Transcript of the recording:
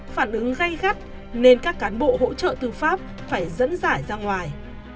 phản ứng gây gắt nên các cán bộ hỗ trợ tư pháp phải dẫn giải ra ngoài